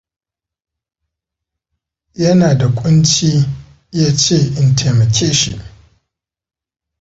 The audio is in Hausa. Ya na da kunci ya ce in taimake shi.